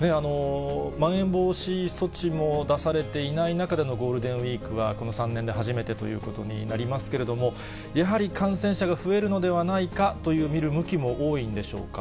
まん延防止措置も出されていない中でのゴールデンウィークは、この３年で初めてということになりますけれども、やはり感染者が増えるのではないかと見る向きも多いんでしょうか。